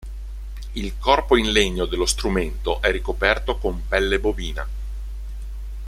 Il corpo in legno dello strumento è ricoperto con pelle bovina.